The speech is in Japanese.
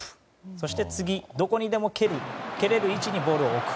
そして次どこにでも蹴れる位置にボールを置く。